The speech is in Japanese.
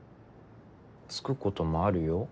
つくこともあるよ。